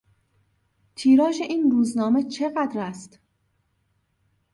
تیراژ این روزنامه چقدر است؟